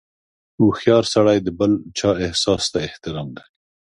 • هوښیار سړی د بل چا احساس ته احترام لري.